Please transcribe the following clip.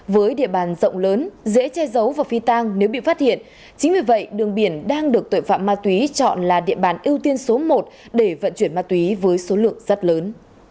với địa bàn rộng lớn dễ che giấu và phi tang nếu bị phát hiện chính vì vậy đường biển đang được tội phạm ma túy chọn là địa bàn ưu tiên số một để vận chuyển ma túy với số lượng rất lớn